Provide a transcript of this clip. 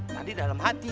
nanti dalam hati